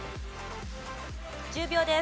１０秒です。